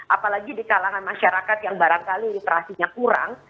apalagi di kalangan masyarakat yang barangkali literasinya kurang